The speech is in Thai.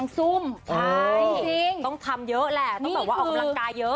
ดูอย่างออกกำลังกาย